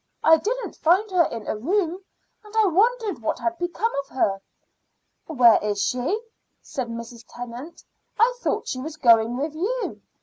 I didn't find her in her room, and I wondered what had become of her." "Where is she?" said Mrs. Tennant. "I thought she was going with you.